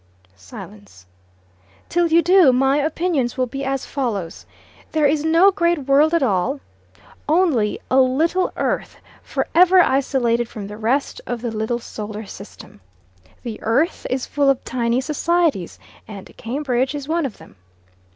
Silence. "Till you do, my opinions will be as follows: There is no great world at all, only a little earth, for ever isolated from the rest of the little solar system. The earth is full of tiny societies, and Cambridge is one of them.